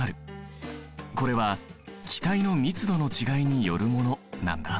これは気体の密度の違いによるものなんだ。